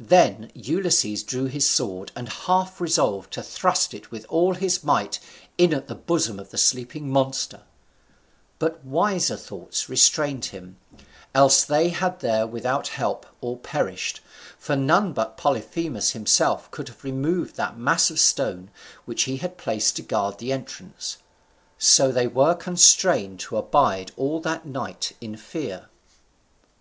Then Ulysses drew his sword, and half resolved to thrust it with all his might in at the bosom of the sleeping monster; but wiser thoughts restrained him, else they had there without help all perished, for none but Polyphemus himself could have removed that mass of stone which he had placed to guard the entrance. So they were constrained to abide all that night in fear.